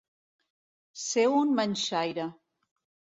Ser un manxaire.